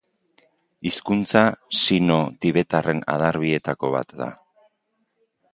Hizkuntza sino-tibetarren adar bietako bat da.